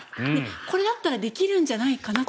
これだったらできるんじゃないかなって。